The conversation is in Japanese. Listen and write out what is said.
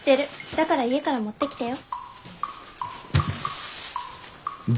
だから家から持ってきたよ。